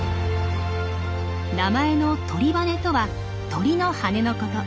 名前の「トリバネ」とは鳥の羽のこと。